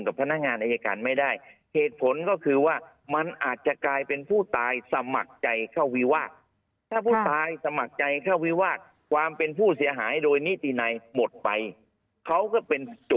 ยังมีคำพิพากษาสารีการเยอะเลย